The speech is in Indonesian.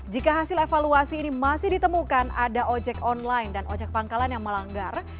jika hasil evaluasi ini masih ditemukan ada ojek online dan ojek pangkalan yang melanggar